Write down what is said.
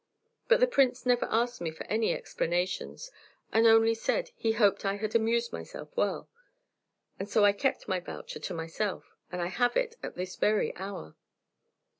But the Prince never asked me for any explanations, and only said he 'hoped I had amused myself well;' and so I kept my voucher to myself, and I have it at this very hour."